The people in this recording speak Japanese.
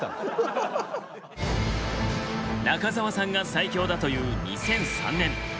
中澤さんが最強だという２００３年。